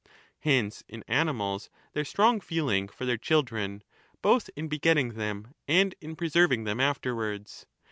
Hence in animals their strong feeling for their children, both in begetting them and in preserving them afterwards.